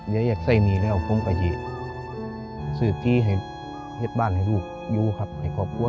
และโดยเฉพาะผู้เป็นพ่อซึ่งเป็นผู้นำของครอบครัว